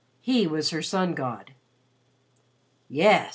He was her sun god. "Yes!